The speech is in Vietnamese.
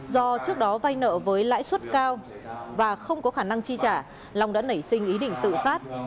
do trước đó vay nợ với lãi suất cao và không có khả năng chi trả long đã nảy sinh ý định tự sát